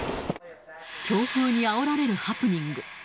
強風にあおられるハプニング。